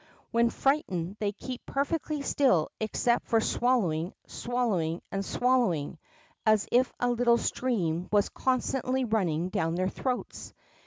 When fright ened they keep perfectly still except for swallow ing, swallowing, and swallowing, as if a little stream was constantly running down their throats.